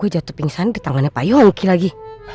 jatuh pingsan di tangannya pak yongki lagi